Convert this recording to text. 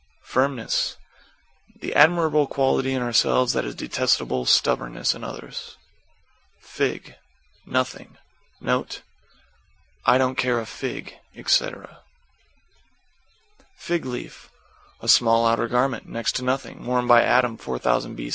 =FIRMNESS= That admirable quality in ourselves that is detestable stubbornness in others. =FIG= Nothing. Note, "I don't care a fig," etc. =FIG LEAF= A small outer garment, next to nothing, worn by Adam 4000 B.